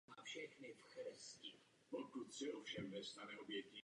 Inicioval také úpravu budovy školy na Horním náměstí a založení Hospodářské školy.